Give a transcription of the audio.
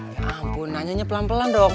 ya ampun nanyanya pelan pelan dong